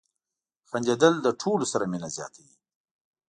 • خندېدل له ټولو سره مینه زیاتوي.